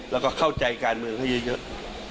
แล้วก็เข้าใจการเมืองให้เยอะ